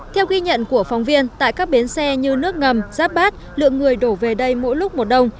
theo ghi nhận của phóng viên tại các bến xe như nước ngầm giáp bát lượng người đổ về đây mỗi lúc một đồng